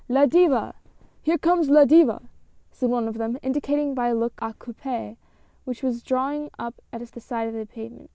" La Diva ! Here comes La Diva," said one of them, indicating by a look a coupe which was drawing up at the side of the pavement.